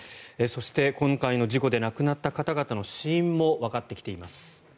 そして、今回の事故で亡くなった方々の死因もわかってきています。